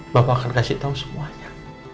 bapak akan kasih tahu semuanya